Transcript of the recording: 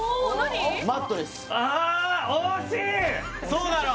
そうだろう！